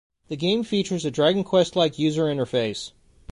The game features a Dragon Quest-like user interface.